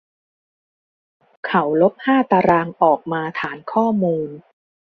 เขาลบห้าตารางออกมาฐานข้อมูล